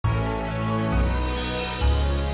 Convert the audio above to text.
diayah kuliah dia jual tanah untuk biaya hidup dia dengan raisa